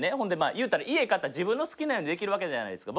いうたら、家買ったら自分の好きなようにできるわけじゃないですか。